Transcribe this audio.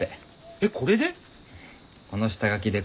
えっこれで？